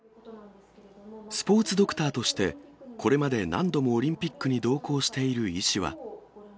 スポーツドクターとして、これまで何度もオリンピックに同行している医師は。